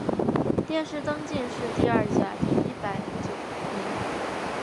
殿试登进士第二甲第一百零九名。